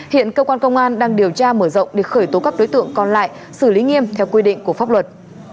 hiện cơ quan công an đang điều tra mở rộng để khởi tố các đối tượng còn lại xử lý nghiêm theo quy định của pháp luật